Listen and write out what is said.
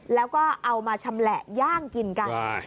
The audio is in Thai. แล้วก็เอามาชำแหละย่างกินกัน